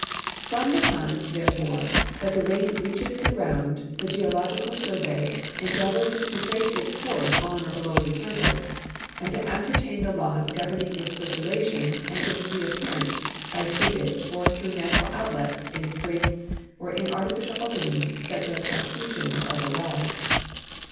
From the time, therefore, that the rain reaches the ground the Geological Surve}^ endeavors to trace its course on or below the surface and to ascertain the laws governing its circulation and its reai)pear ance by seepage or through natural outlets in springs or in arti ficial openings, such as artesian or other wells.